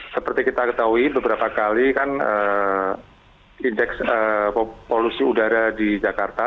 seperti kita ketahui beberapa kali kan indeks polusi udara di jakarta